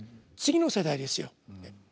次の世代ですよ。